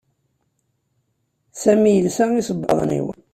Sami yelsa isebbaḍen iw